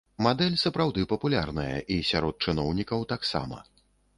Мадэль сапраўды папулярная, і сярод чыноўнікаў таксама.